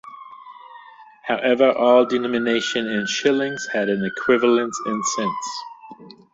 However, all denomination in shillings had an equivalence in cents.